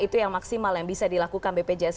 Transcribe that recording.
itu yang maksimal yang bisa dilakukan bpjs